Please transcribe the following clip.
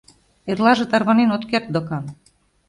— Эрлаже тарванен от керт докан.